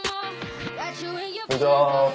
こんにちは。